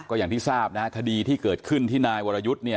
ก็อย่างที่ทราบนะฮะคดีที่เกิดขึ้นที่นายวรยุทธ์เนี่ย